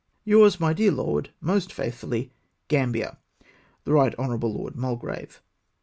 " Yours, my dear Lord, most faithfully, " GrAMBIER. " The Right Hon. Lord Mulgrave."